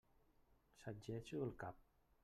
Sacsejo el cap.